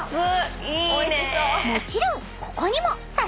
［もちろんここにも］